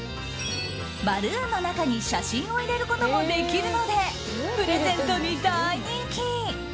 バルーンの中に写真を入れることもできるのでプレゼントに大人気。